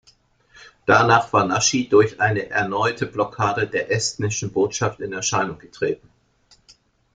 Danach war Naschi durch eine erneute Blockade der estnischen Botschaft in Erscheinung getreten.